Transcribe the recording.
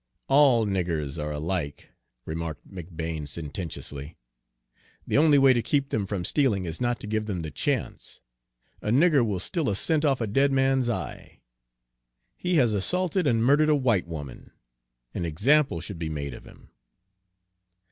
"All niggers are alike," remarked McBane sententiously. "The only way to keep them from stealing is not to give them the chance. A nigger will steal a cent off a dead man's eye. He has assaulted and murdered a white woman, an example should be made of him."